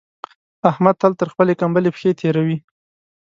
احمد تل تر خپلې کمبلې پښې تېروي.